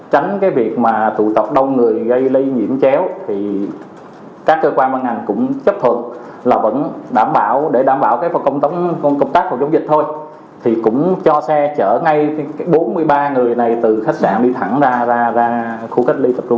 trong đó một trăm bốn mươi hành khách về khách sạn cần giờ